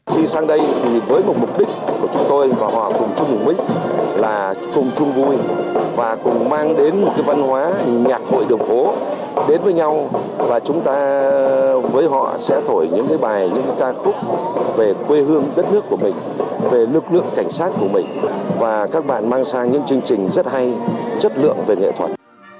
khi sang đây thì với một mục đích của chúng tôi và họ cùng chung mục đích là cùng chung vui và cùng mang đến một cái văn hóa nhạc hội đường phố đến với nhau và chúng ta với họ sẽ thổi những cái bài những cái ca khúc về quê hương đất nước của mình về lực lượng cảnh sát của mình và các bạn mang sang những chương trình rất hay chất lượng về nghệ thuật